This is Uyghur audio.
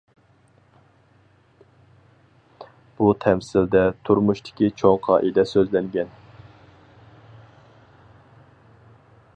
بۇ تەمسىلدە تۇرمۇشتىكى چوڭ قائىدە سۆزلەنگەن.